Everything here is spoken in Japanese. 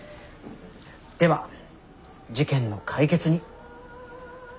では事件の解決に。